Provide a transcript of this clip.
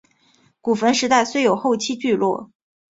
古坟时代虽有后期聚落。